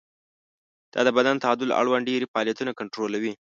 دا د بدن د تعادل اړوند ډېری فعالیتونه کنټرولوي.